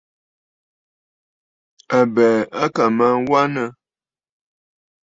Àbɛ̀ɛ̀ à kà mə aa wanə.